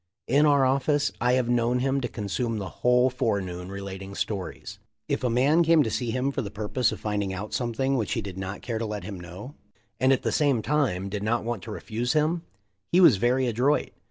In our office I have known him to consume the whole fore noon relating stories. If a man came to see him for the purpose of finding out something which he did not care to let him know and at the same time did not want to refuse him, he was very adroit.